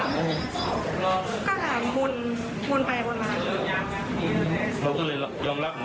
แต่ความจริงใช่เราไหม